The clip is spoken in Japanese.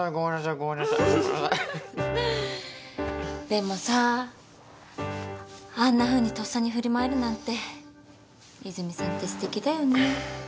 でもさあんなふうにとっさに振る舞えるなんて泉さんってすてきだよね。